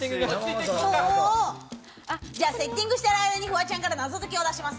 セッティングしている間にフワちゃんから謎解きを出します。